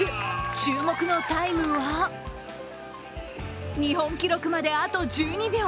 注目のタイムは日本記録まであと１２秒。